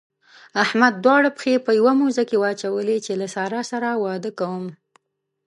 احمد دواړه پښې په يوه موزه کې واچولې چې له سارا سره واده کوم.